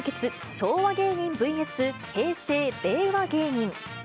昭和芸人ｖｓ平成・令和芸人。